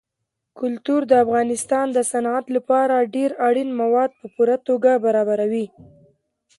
کلتور د افغانستان د صنعت لپاره ډېر اړین مواد په پوره توګه برابروي.